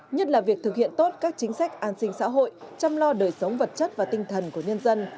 nhất là việc thực hiện tốt các chính sách an sinh xã hội chăm lo đời sống vật chất và tinh thần của nhân dân